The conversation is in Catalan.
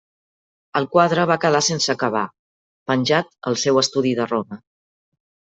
El quadre va quedar sense acabar, penjat al seu estudi de Roma.